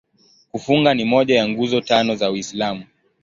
Kufunga ni moja ya Nguzo Tano za Uislamu.